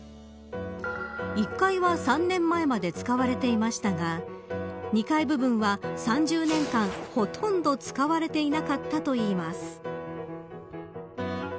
１階は３年前まで使われていましたが２階部分は３０年間ほとんど使われていなかったといいます。